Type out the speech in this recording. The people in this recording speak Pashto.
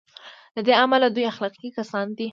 له دې امله دوی اخلاقي کسان دي.